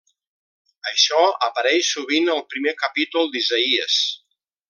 Això apareix sovint al primer capítol d'Isaïes.